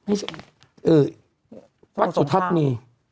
วัดสุทัศน์มี